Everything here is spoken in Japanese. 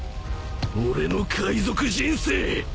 俺の海賊人生！